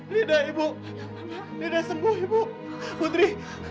leda ibu leda sembuh ibu putri